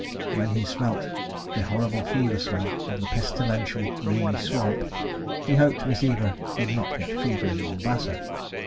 When he smelt the horrible fever smell of the pestilential Lumi swamp, he hoped Miss Eva would not get fever in Mombasa.